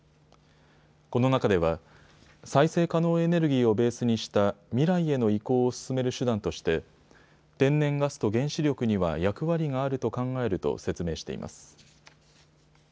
この中では再生可能エネルギーをベースにした未来への移行を進める手段として天然ガスと原子力には役割があると考えると説明しています。